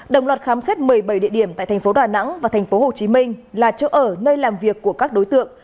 đồng loạt khám xét một mươi bảy địa điểm tại thành phố đà nẵng và tp hcm là chỗ ở nơi làm việc của các đối tượng